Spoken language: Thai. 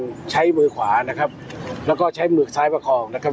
ใช้มือขวานะครับแล้วก็ใช้มือซ้ายประคองนะครับ